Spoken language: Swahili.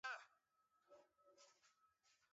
idd hajj njema na katika simu